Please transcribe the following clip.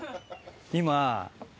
今。